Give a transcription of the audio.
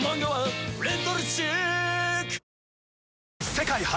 世界初！